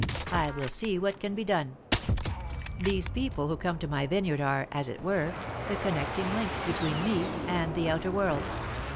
I will see what can be done. "These people who come to my vineyard are, as it were, the connecting link between me and the outer world.